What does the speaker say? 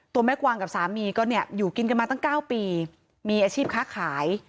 ตัวแม่กวางกับสามีก็เนี่ยอยู่กินกันมาตั้ง๙ปีมีอาชีพค้าขาย